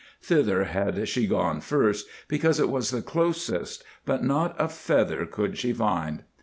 Thither had she gone first, because it was the closest, but not a feather could she find.